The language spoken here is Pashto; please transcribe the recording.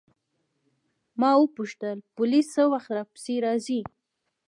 ما وپوښتل پولیس څه وخت راپسې راځي.